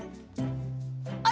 あ！